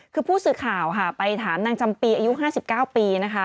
คือผู้สื่อข่าวค่ะไปถามนางจำปีอายุ๕๙ปีนะคะ